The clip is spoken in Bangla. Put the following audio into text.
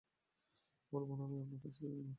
ভুলবো না, আমি আপনার কাছ থেকেই নেবো।